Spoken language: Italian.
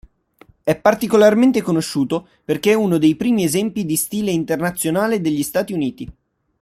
E'particolarmente conosciuto perché è uno dei primi esempi di stile internazionale degli Stati Uniti.